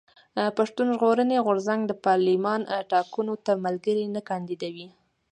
پښتون ژغورني غورځنګ د پارلېمان ټاکنو ته ملګري نه کانديدوي.